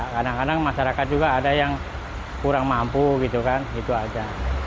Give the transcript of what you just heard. kadang kadang masyarakat juga ada yang kurang mampu gitu kan itu aja